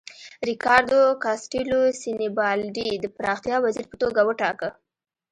ریکاردو کاسټیلو سینیبالډي د پراختیا وزیر په توګه وټاکه.